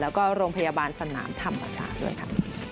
แล้วก็โรงพยาบาลสนามธรรมศาสตร์ด้วยค่ะ